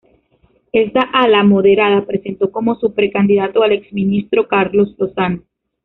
Esta ala moderada presentó como su precandidato al ex ministro Carlos Lozano.